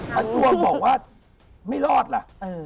มันรวมบอกว่าไม่รอดล่ะ